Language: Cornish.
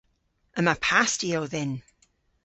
Yma pastiow dhyn.